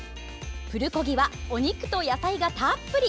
プルコギはお肉と野菜がたっぷり。